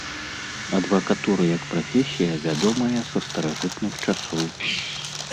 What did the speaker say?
Адвакатура як прафесія вядомая са старажытных часоў.